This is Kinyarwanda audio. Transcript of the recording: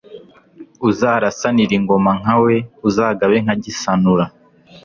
Uzarasanire ingoma nka we, Uzagabe nka Gisanura,